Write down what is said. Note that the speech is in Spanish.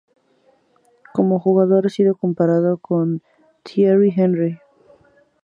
Como jugador ha sido comparado con Thierry Henry.